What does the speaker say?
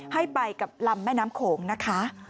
ให้ไปกับลำแม่น้ำโขงนะคะ